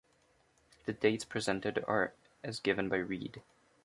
The dates presented are as given by Reed.